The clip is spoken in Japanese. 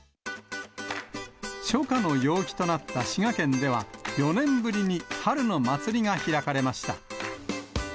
初夏の陽気となった滋賀県では、４年ぶりに春の祭りが開かれました。